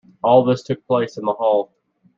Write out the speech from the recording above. All this took place in the hall.